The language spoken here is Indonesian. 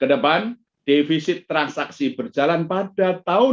kedepan defisit transaksi berjalan pada tahun dua ribu dua puluh